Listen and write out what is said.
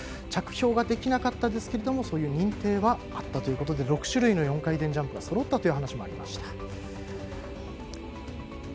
着氷はできなかったんですが認定はあったということで６種類の４回転ジャンプがそろったという話もありました。